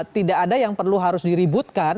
tidak ada yang perlu harus diributkan